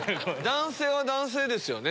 男性は男性ですよね。